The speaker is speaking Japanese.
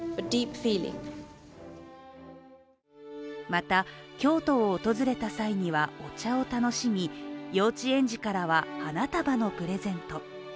また京都を訪れた際には、お茶を楽しみ幼稚園児からは花束のプレゼント。